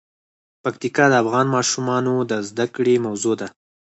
پکتیکا د افغان ماشومانو د زده کړې موضوع ده.